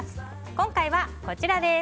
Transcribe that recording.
今回はこちらです。